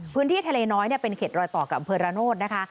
พื้นที่ทะเลน้อยเป็นเขตรอยต่อกับอำเภอระโนธนะคะ